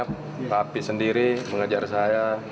pak api sendiri mengejar saya